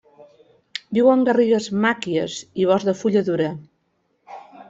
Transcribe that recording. Viu en garrigues màquies i bosc de fulla dura.